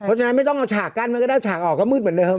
เพราะฉะนั้นไม่ต้องเอาฉากกั้นมันก็ได้ฉากออกก็มืดเหมือนเดิม